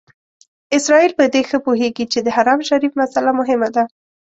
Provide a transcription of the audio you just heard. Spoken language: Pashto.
اسرائیل په دې ښه پوهېږي چې د حرم شریف مسئله مهمه ده.